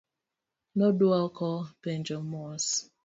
Nodwoko penjo mos.